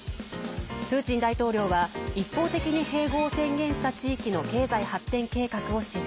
プーチン大統領は一方的に併合を宣言した地域の経済発展計画を支持。